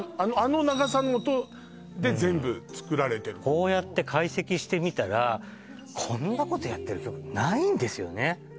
あの長さの音で全部作られてるこうやって解析してみたらこんなことやってる曲ないんですよね